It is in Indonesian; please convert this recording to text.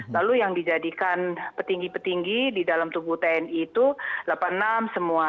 lalu yang dijadikan petinggi petinggi di dalam tubuh tni itu delapan puluh enam semua